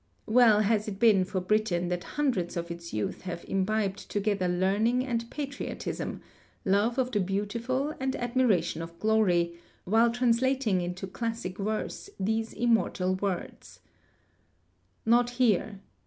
Well has it been for Britain that hundreds of its youth have imbibed together learning and patriotism, love of the beautiful and admiration for glory, while translating into classic verse these immortal words : N(jt here.